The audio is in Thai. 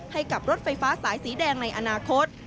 ให้กับรถไฟฟ้าสายสีแดงในอนาคต